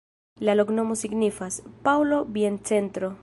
La loknomo signifas: Paŭlo-biencentro.